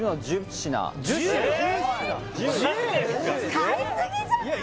買いすぎじゃない？